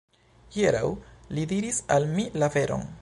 Hieraŭ li diris al mi la veron.